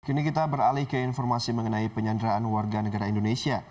kini kita beralih ke informasi mengenai penyanderaan warga negara indonesia